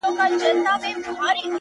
دلته خواران ټوله وي دلته ليوني ورانوي ـ